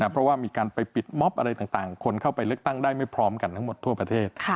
เพราะว่ามีการไปปิดม็อบอะไรต่างคนเข้าไปเลือกตั้งได้ไม่พร้อมกันทั้งหมดทั่วประเทศ